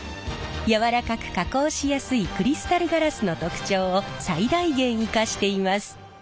柔らかく加工しやすいクリスタルガラスの特徴を最大限生かしています。